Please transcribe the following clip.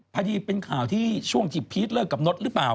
พอดีเป็นข่าวที่ช่วงที่พีชเลิกกับนดหรือเปล่า